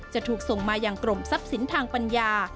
จะถูกส่งมาอย่างกรมทรัพย์สินทางปัญญา